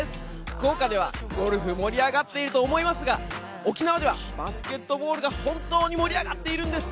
福岡ではゴルフ、盛り上がっていると思いますが、沖縄ではバスケットボールが本当に盛り上がっているんです！